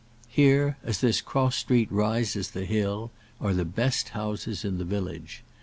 Here, as this cross street rises the hill, are the best houses in the village.